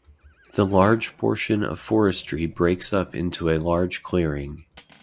The large portion of forestry breaks up into a large clearing.